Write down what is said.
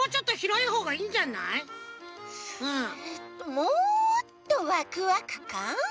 もっとワクワクかん？